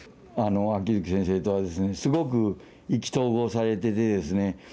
秋月先生とはすごく意気投合されていてですね